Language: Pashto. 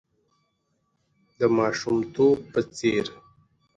د ماشومتوب په څېر .